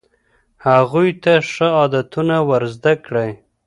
هغوی ته ښه عادتونه ور زده کړئ.